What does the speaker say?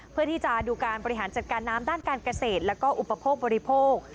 เพื่อที่จะดูการบริหารจัดการน้ำด้านการเกษตรแล้วก็อุปโภคบริโภค